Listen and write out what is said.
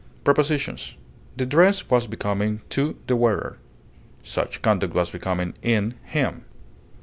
Prepositions: The dress was becoming to the wearer. Such conduct was becoming in him.